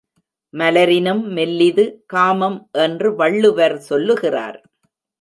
மலரினும் மெல்லிது காமம் என்று வள்ளுவர் சொல்லுகிறார்.